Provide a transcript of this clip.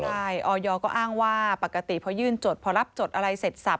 ใช่ออยก็อ้างว่าปกติพอยื่นจดพอรับจดอะไรเสร็จสับ